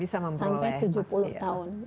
sampai tujuh puluh tahun